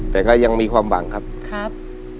แต่ก็ยังมีความหวังครับครับ